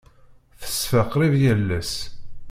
Teṣfa qrib yal ass.